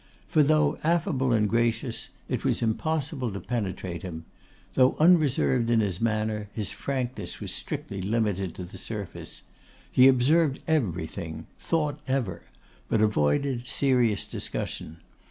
For, though affable and gracious, it was impossible to penetrate him. Though unreserved in his manner, his frankness was strictly limited to the surface. He observed everything, thought ever, but avoided serious discussion.